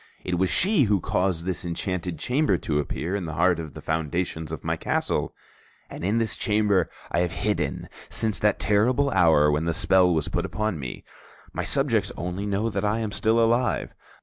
It was she who caused this enchanted chamber to appear in the heart of the foundations of my castle; and in this chamber I have hidden since that terrible hour when the spell was put upon me. My subjects only know that I am still alive.